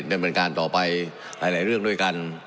ดำเนินการต่อไปหลายเรื่องด้วยกัน